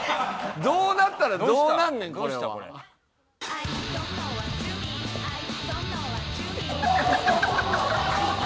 どうなったらどうなんねんこれは。いい！